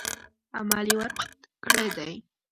عمل یې ورباندې کړی دی.